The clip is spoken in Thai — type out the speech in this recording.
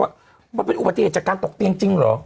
ว่าเป็นอุปกรณ์จากการตกเตียงจริงหรอ